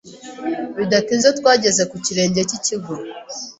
Bidatinze twageze ku kirenge cy'ikigo